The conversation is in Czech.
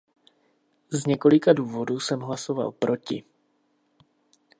Z několika důvodů jsem hlasoval proti.